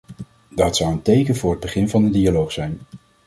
Dat zou een teken voor het begin van een dialoog zijn.